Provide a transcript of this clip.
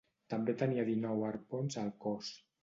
També tenia dinou arpons al cos.